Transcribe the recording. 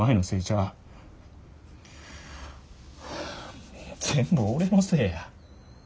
あ全部俺のせいや。